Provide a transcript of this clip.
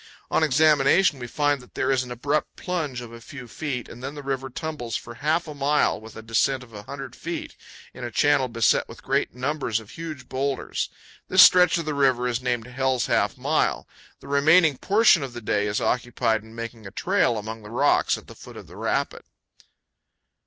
On examination, we find that there is an abrupt plunge of a few feet and then the river tumbles for half a mile with a descent of a hundred feet, in a channel beset with great numbers of huge boulders. This stretch of the river is named Hell's Half Mile. The remaining portion of the day is occupied in making a trail among the rocks at the foot of the rapid.